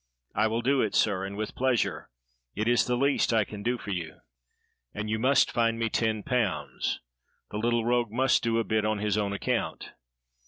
"I will do it, sir, and with pleasure. It is the least I can do for you." "And you must find me 10 pounds." The little rogue must do a bit on his own account.